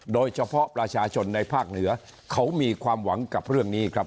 โดยเฉพาะประชาชนในภาคเหนือเขามีความหวังกับเรื่องนี้ครับ